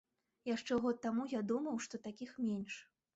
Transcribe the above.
Яшчэ год таму я думаў, што такіх менш.